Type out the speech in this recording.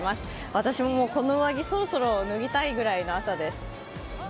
私もこの上着そろそろ脱ぎたいぐらいの気温です。